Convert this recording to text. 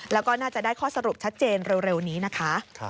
แล้วก็น่าจะได้ข้อสรุปชัดเจนเร็วนี้นะคะ